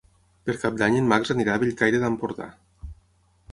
Per Cap d'Any en Max anirà a Bellcaire d'Empordà.